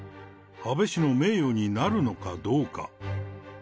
安倍氏の名誉になるのかどうか。